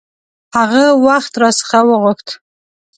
هغه وخت را څخه وغوښت.